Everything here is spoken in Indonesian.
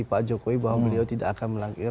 pak jokowi bahwa beliau tidak akan melangkirkan